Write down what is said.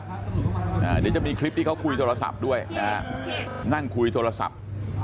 เดี๋ยวจะมีคลิปที่เขาคุยโทรศัพท์ด้วยนะฮะนั่งคุยโทรศัพท์